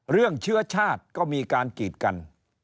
เรื่องเชื้อชาติก็มีการกีดกัน